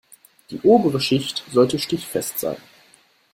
Die obere Schicht sollte stichfest sein.